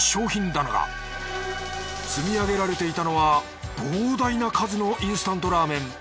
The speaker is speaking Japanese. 積み上げられていたのは膨大な数のインスタントラーメン。